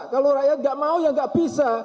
kalau rakyat nggak mau ya nggak bisa